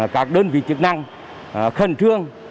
các đơn vị chức năng khẩn trương